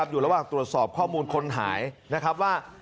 อยู่ระหว่างตรวจสอบข้อมูลคนหายนะครับว่า